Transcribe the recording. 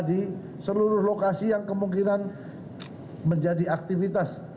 di seluruh lokasi yang kemungkinan menjadi aktivitas